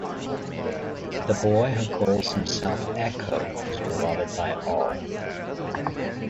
The boy, who calls himself "Echo", is beloved by all.